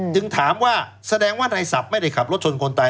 ถามว่าแสดงว่าในศัพท์ไม่ได้ขับรถชนคนตาย